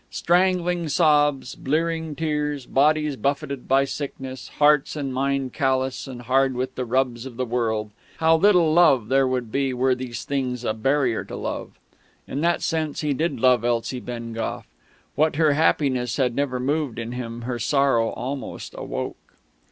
Strangling sobs, blearing tears, bodies buffeted by sickness, hearts and mind callous and hard with the rubs of the world how little love there would be were these things a barrier to love! In that sense he did love Elsie Bengough. What her happiness had never moved in him her sorrow almost awoke....